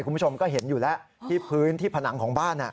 คุณผู้ชมก็เห็นอยู่แล้วที่พื้นที่ผนังของบ้าน